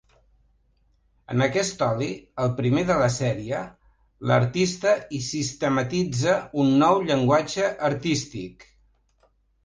En aquest oli, el primer de la sèrie, l'artista hi sistematitza un nou llenguatge artístic.